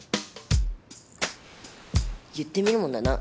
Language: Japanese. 言ってみるもんだな。